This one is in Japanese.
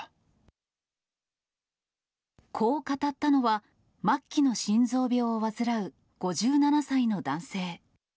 こう語ったのは、末期の心臓病を患う５７歳の男性。